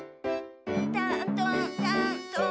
「たんとんたんとん」